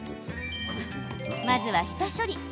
まずは下処理。